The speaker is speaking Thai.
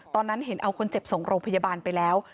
ตอนนั้นเห็นเอาคนเจ็บส่งโรงพยาบาลไปแล้ว